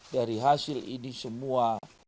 dari hasil ini semua